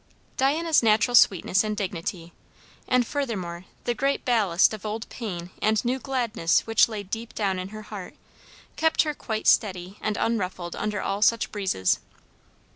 Diana's natural sweetness and dignity, and furthermore, the great ballast of old pain and new gladness which lay deep down in her heart, kept her quite steady and unruffled under all such breezes.